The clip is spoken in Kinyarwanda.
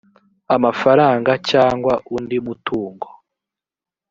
amafaranga cyangwa undi mutungo